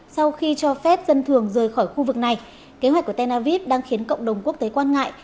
sau khi cho phép dân thường rời khỏi khu vực này kế hoạch của tel aviv đang khiến cộng đồng quốc tế quan ngại